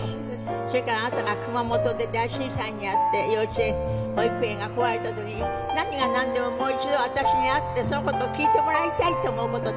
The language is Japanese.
それからあなたが熊本で大震災に遭って幼稚園保育園が壊れた時に何がなんでももう一度私に会ってその事を聞いてもらいたいと思う事で私に連絡してくださったっていう事